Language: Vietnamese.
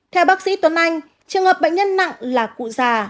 theo bác sĩ tuấn anh trường hợp bệnh nhân nặng là cụ già